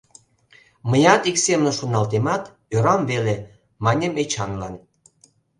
— Мыят ик семын шоналтемат, ӧрам веле... — маньым Эчанлан.